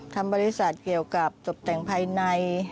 ทำบริษัทเกี่ยวกับตกแต่งภายใน